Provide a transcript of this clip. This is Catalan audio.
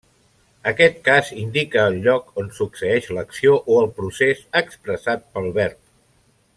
Aquest cas indica el lloc on succeeix l'acció o el procés expressat pel verb.